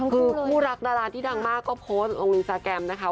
คือผู้รักดาราที่ดังมากก็โพสต์อังริมสกรรมนะคะ